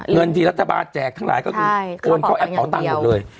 เงินที่รัฐบาลแจกทั้งหลายก็คือโอนเข้าแอปเป่าตังค์หมดเลย